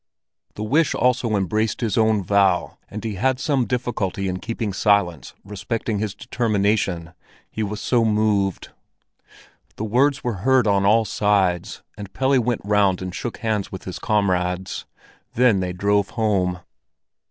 The wish also embraced his own vow and he had some difficulty in keeping silence respecting his determination, he was so moved. The words were heard on all sides, and Pelle went round and shook hands with his comrades. Then they drove home.